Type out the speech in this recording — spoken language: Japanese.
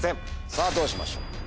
さぁどうしましょう？